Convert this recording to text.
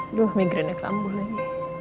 aduh migrainek lambuh lagi